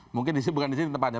mungkin bukan di sini tempatnya